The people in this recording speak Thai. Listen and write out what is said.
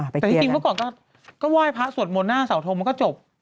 แต่ที่จริงก็ก่อนก็ไหว้พระสวรรค์มนาคสสาวโทษมันก็จบ